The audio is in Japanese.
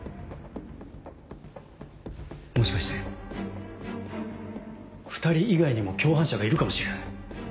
もしかして２人以外にも共犯者がいるかもしれない。